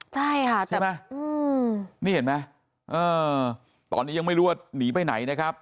ใช่ค่ะใช่ไหมนี่เห็นไหมตอนนี้ยังไม่รู้ว่าหนีไปไหนนะครับ